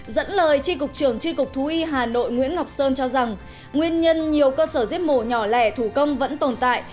dẫn lời tri cục trưởng tri cục thú y hà nội nguyễn ngọc sơn cho rằng nguyên nhân nhiều cơ sở giết mổ nhỏ lẻ thủ công vẫn tồn tại